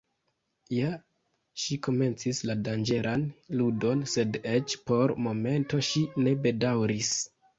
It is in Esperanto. Ja ŝi komencis la danĝeran ludon, sed eĉ por momento ŝi ne bedaŭris.